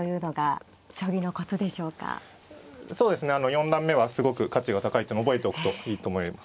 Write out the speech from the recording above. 四段目はすごく価値が高いっていうの覚えておくといいと思います。